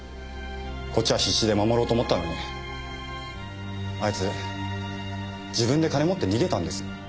こっちは必死で守ろうと思ったのにあいつ自分で金を持って逃げたんです。